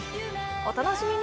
お楽しみに。